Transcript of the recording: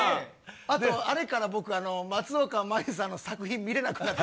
あとあれから僕、松岡茉優さんの作品見れなくなった。